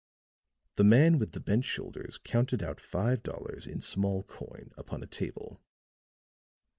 The man with the bent shoulders counted out five dollars in small coin upon a table.